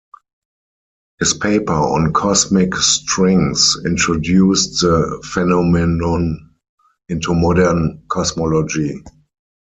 His paper on cosmic strings introduced the phenomenon into modern cosmology.